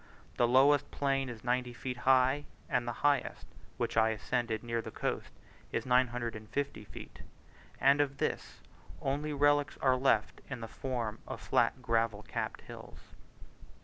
The lowest plain is 90 feet high; and the highest, which I ascended near the coast, is 950 feet; and of this, only relics are left in the form of flat gravel capped hills.